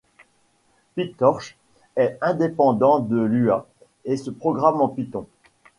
PyTorch est indépendant de Lua et se programme en Python.